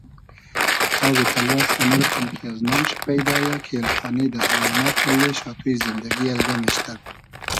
کیتابی تئلوئس امو رئقئم کی از نام شی پݷدا یۂ کی ایلخانی دۂ اۆئلنۂ پئلې شاتوی زیندئگی الگئم اېشتۂ